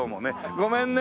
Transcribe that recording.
ごめんね。